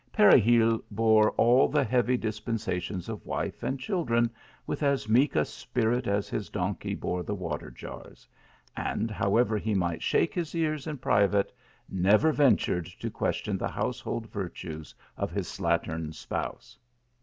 /Peregil bore all the heavy dispen sations of wife and children with as meek a spirit as his donkey bore the water jars ; and, however he might shake his ears in private, never ventured to 162 THE ALHAMBIIA. question the household virtues of his slattern spouse.